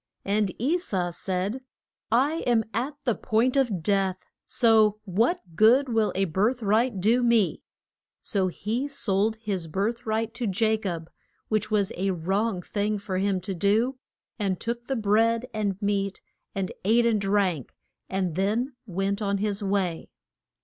And E sau said, I am at the point of death, so what good will a birth right do me? So he sold his birth right to Ja cob which was a wrong thing for him to do and took the bread and meat, and ate and drank, and then went on his way.